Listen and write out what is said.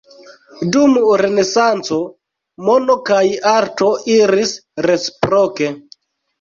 Dum Renesanco, mono kaj arto iris reciproke.